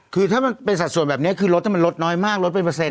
คือถ้ามันเป็นสัดส่วนแบบนี้คือรถมันลดน้อยมากลดเป็นเปอร์เซ็